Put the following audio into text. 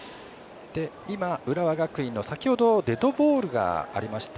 浦和学院の先程デッドボールがありました